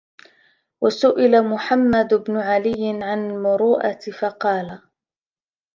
وَسُئِلَ مُحَمَّدُ بْنُ عَلِيٍّ عَنْ الْمُرُوءَةِ فَقَالَ